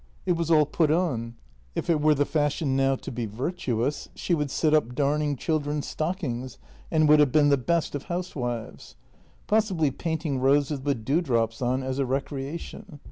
It was all put on. If it were the fashion now to be virtuous she would sit up darning children's stockings, and would have been the best of housewives. Possibly painting roses with dewdrops on as a recreation.